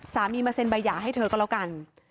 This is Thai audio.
สามีมาเซ็นบายหยาให้เธอก็แล้วกัน